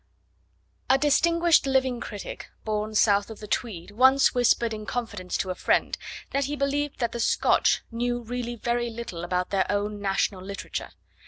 A distinguished living critic, born south of the Tweed, once whispered in confidence to a friend that he believed that the Scotch knew really very little about their own national literature.